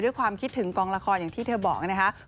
ด้วยความคิดถึงกองละครอย่างที่เธอบอกนะครับ